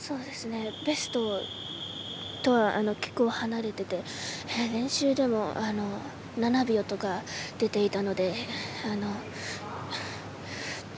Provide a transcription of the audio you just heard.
ベストとは結構、離れていて練習でも７秒とか出ていたので。